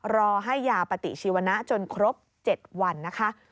รอให้ยาปฏิชีวนะจนครบ๗วันนะคะ